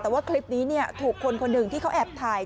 แต่ว่าคลิปนี้ถูกคนคนหนึ่งที่เขาแอบถ่าย